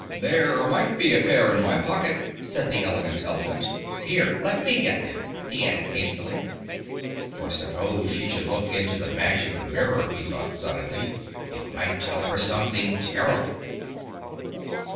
"There might be a pair in my pocket," said the Elegant Elephant. "Here, let me get them," he added hastily. "For suppose she should look into the Magic Mirror," he thought suddenly. "It might tell her something terrible!"